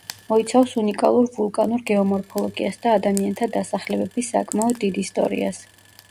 მოიცავს უნიკალურ ვულკანურ გეომორფოლოგიას და ადამიანთა დასახლებების საკმაოდ დიდ ისტორიას.